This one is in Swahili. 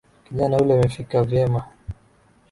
Kijana yule amefika vyema.